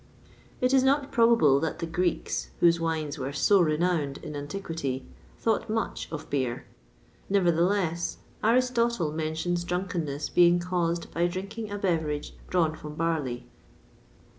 [XXVI 8] It is not probable that the Greeks, whose wines were so renowned in antiquity, thought much of beer. Nevertheless, Aristotle[XXVI 9] mentions drunkenness being caused by drinking a beverage drawn from barley.